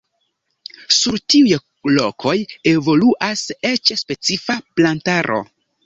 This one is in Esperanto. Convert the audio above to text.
Sur tiuj lokoj evoluas eĉ specifa plantaro.